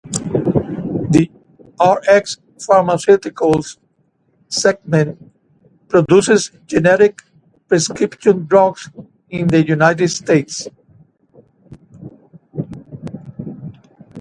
The Rx Pharmaceuticals segment produces generic prescription drugs in the United States.